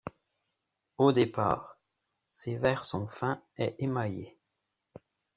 Au départ, ses verres sont fins et émaillés.